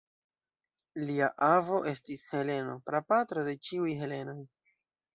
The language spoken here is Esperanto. Lia avo estis Heleno, prapatro de ĉiuj helenoj.